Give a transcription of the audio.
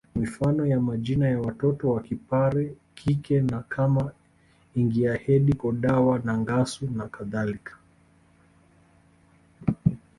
Mifano ya majina ya watoto wakipare kike ni kama Ingiahedi Kodawa Nangasu na kadhalika